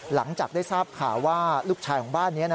หลังจากได้ทราบข่าวว่าลูกชายของบ้านนี้